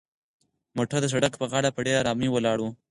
موټر د سړک په غاړه په ډېرې ارامۍ ولاړ و.